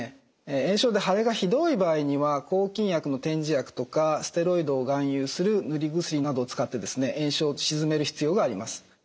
炎症で腫れがひどい場合には抗菌薬の点耳薬とかステロイドを含有する塗り薬などを使って炎症を鎮める必要があります。